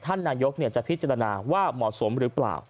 ท่านนายกจะพิจารณาว่าเหมาะสมหรือเปล่า